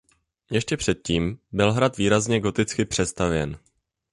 Ještě před tím byl hrad výrazně goticky přestavěn.